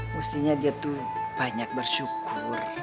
mestinya dia tuh banyak bersyukur